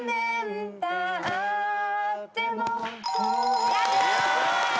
やった！